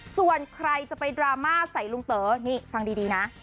ส่วนใครจะไปดราม่าใส่ลุงเต๋อนี่ฟังดีนะ